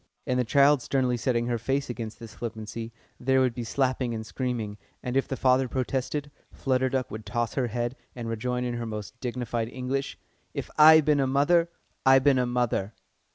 _" And the child sternly setting her face against this flippancy, there would be slapping and screaming, and if the father protested, Flutter Duck would toss her head, and rejoin in her most dignified English: "If I bin a mother, I bin a mother!"